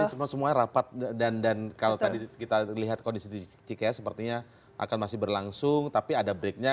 ini semua semuanya rapat dan kalau tadi kita lihat kondisi di cikeas sepertinya akan masih berlangsung tapi ada breaknya